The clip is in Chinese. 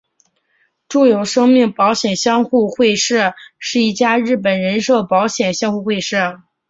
住友生命保险相互会社是一家日本人寿保险相互会社。